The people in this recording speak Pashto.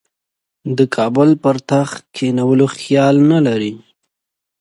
د کابل پر تخت کښېنولو خیال نه لري.